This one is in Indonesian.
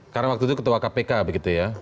karena waktu itu ketua kpk begitu ya